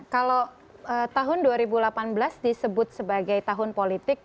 kalau tahun dua ribu delapan belas disebut sebagai tahun politik